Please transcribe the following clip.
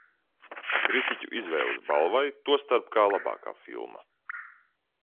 "Kritiķu izvēles balvai, tostarp kā "Labākā filma"."